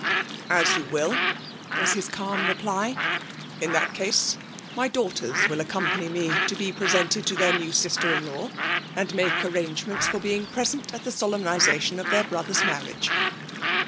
'' As you will,'' was his cahn reply. '* In' that case, my daughters will accompany me, to be presented to their new sister in law, and make arrangements for being present at the solemnization of their brother's marriage.